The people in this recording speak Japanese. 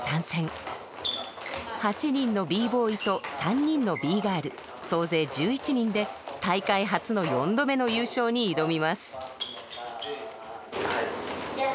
８人のＢ−ＢＯＹと３人のＢ−ＧＩＲＬ総勢１１人で大会初の４度目の優勝に挑みます。